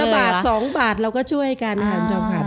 ละบาท๒บาทเราก็ช่วยการหันจอบขัน